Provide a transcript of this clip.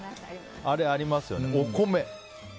あれ、ありますよね。